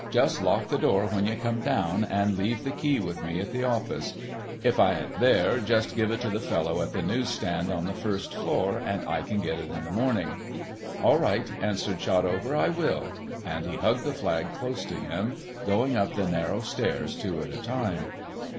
"Just lock the door when you come down, and leave the key with me at the office. If I ain't there, just give it to the fellow at the news stand on the first floor, and I can get it in the morning." "All right," answered Shotover, "I will," and he hugged the flag close to him, going up the narrow stairs two at a time.